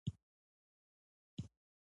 تاسي د هغوی دوستان یاست.